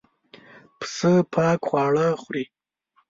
پسه پاک خواړه خوري.